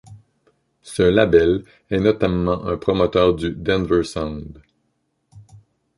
Ce label est notamment un promoteur du Denver Sound.